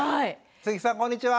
鈴木さんこんにちは。